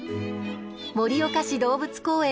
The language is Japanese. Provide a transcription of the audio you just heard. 盛岡市動物公園